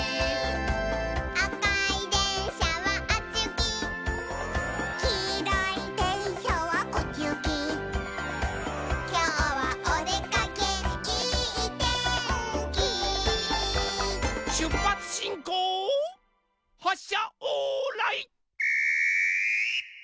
「あかいでんしゃはあっちゆき」「きいろいでんしゃはこっちゆき」「きょうはおでかけいいてんき」しゅっぱつしんこうはっしゃオーライ。